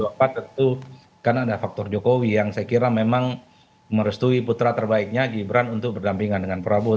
apa tentu karena ada faktor jokowi yang saya kira memang merestui putra terbaiknya gibran untuk berdampingan dengan prabowo